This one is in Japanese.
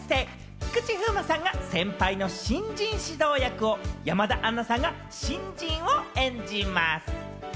菊池風磨さんが先輩の新人指導役を山田杏奈さんが新人を演じます。